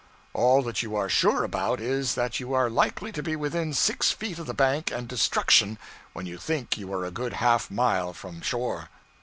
All that you are sure about is that you are likely to be within six feet of the bank and destruction, when you think you are a good half mile from shore.